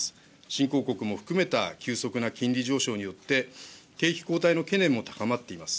新興国も含めた急速な金利上昇によって、景気後退の懸念も高まっています。